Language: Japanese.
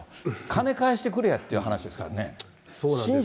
金返してくれやという話ですからね。